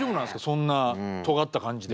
そんなとがった感じで。